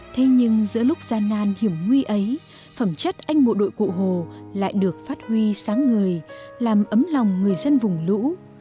thế nhưng giữa lúc gian nan hiểm nguy ấy phẩm chất anh bộ đội cụ hồ lại được phát huy sáng ngời làm ấm lòng người dân vùng lũ